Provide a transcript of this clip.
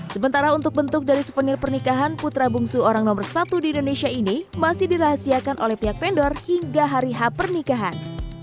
sementara untuk bentuk dari suvenir pernikahan putra bungsu orang nomor satu di indonesia ini masih dirahasiakan oleh pihak vendor hingga hari h pernikahan